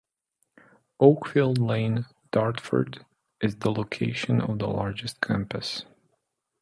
Oakfield Lane, Dartford is the location of the largest campus.